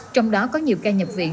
trong đó có nhiều ca nhập viện